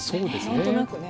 何となくね。